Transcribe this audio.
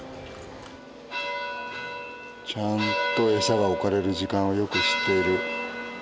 ちゃんと餌が置かれる時間をよく知っている。